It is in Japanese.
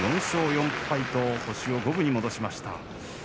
４勝４敗と星を五分に戻しました。